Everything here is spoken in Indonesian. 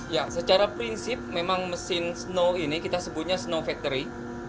ya secara prinsip memang mesin snow ini kita sebutnya snow factory